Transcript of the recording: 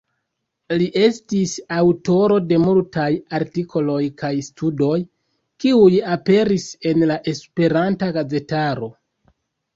Li estis aŭtoro de multaj artikoloj kaj studoj, kiuj aperis en la Esperanta gazetaro.